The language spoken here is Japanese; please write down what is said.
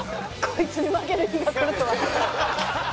こいつに負ける日がくるとは。